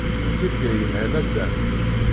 Tirga yelhan a Dan.